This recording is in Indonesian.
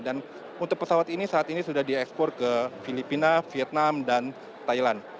dan untuk pesawat ini saat ini sudah di ekspor ke filipina vietnam dan thailand